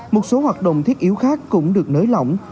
một số hoạt động thiết yếu khác cũng được nới lỏng